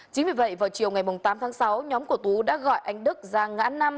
chính vì vậy vào chiều ngày tám tháng sáu nhóm của tú đã gọi anh đức ra ngã năm